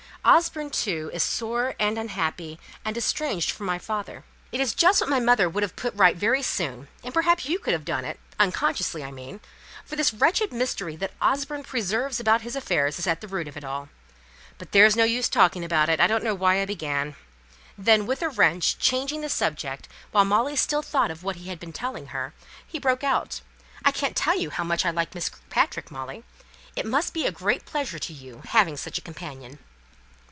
Osborne, too, is sore and unhappy, and estranged from my father. It is just what my mother would have put right very soon, and perhaps you could have done it unconsciously, I mean for this wretched mystery that Osborne preserves about his affairs is at the root of it all. But there's no use talking about it; I don't know why I began." Then, with a wrench, changing the subject, while Molly still thought of what he had been telling her, he broke out, "I can't tell you how much I like Miss Kirkpatrick, Molly. It must be a great pleasure to you having such a companion!"